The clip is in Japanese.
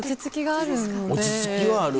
落ち着きはある。